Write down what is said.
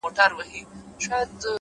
پرمختګ د دوامداره حرکت نوم دی،